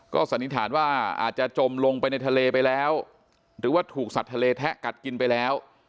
สันนิษฐานว่าอาจจะจมลงไปในทะเลไปแล้วหรือว่าถูกสัตว์ทะเลแทะกัดกินไปแล้ว